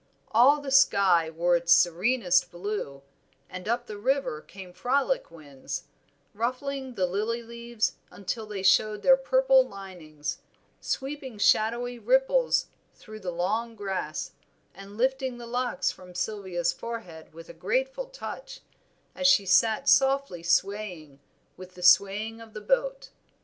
All the sky wore its serenest blue, and up the river came frolic winds, ruffling the lily leaves until they showed their purple linings, sweeping shadowy ripples through the long grass, and lifting the locks from Sylvia's forehead with a grateful touch, as she sat softly swaying with the swaying of the boat.